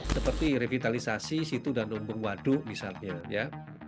seperti revitalisasi situ dan lumbung waduk misalnya ya